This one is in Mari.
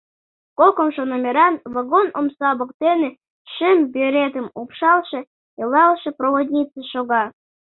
Кокымшо номеран вагон омса воктене шем беретым упшалше илалше проводнице шога.